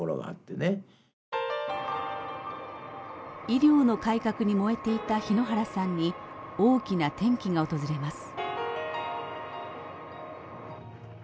医療の改革に燃えていた日野原さんに大きな転機が訪れます。